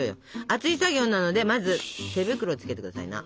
熱い作業なのでまず手袋をつけて下さいな。